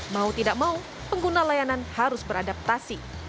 mau tidak mau pengguna layanan harus beradaptasi